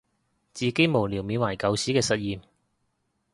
自己無聊緬懷舊時嘅實驗